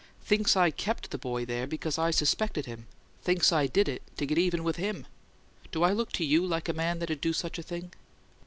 "Thinks I kept the boy there because I suspected him! Thinks I did it to get even with HIM! Do I look to YOU like a man that'd do such a thing?"